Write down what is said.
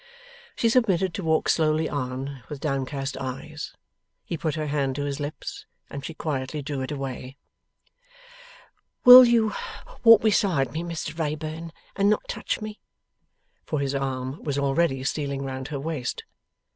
She submitted to walk slowly on, with downcast eyes. He put her hand to his lips, and she quietly drew it away. 'Will you walk beside me, Mr Wrayburn, and not touch me?' For, his arm was already stealing round her waist.